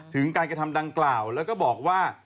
ถึงการกระทำดังกล่าวแล้วก็บอกว่า